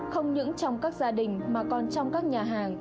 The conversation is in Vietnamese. không những trong các gia đình mà còn trong các nhà hàng